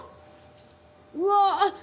うわ